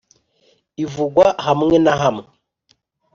Ivugwa hamwe na hamwe